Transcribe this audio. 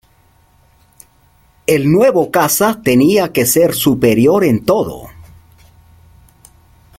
El nuevo caza tenía que ser superior en todo.